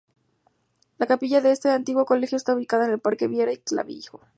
La capilla de este antiguo colegio está ubicada en el parque Viera y Clavijo.